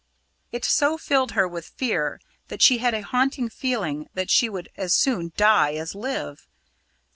It so filled her with fear that she had a haunting feeling that she would as soon die as live.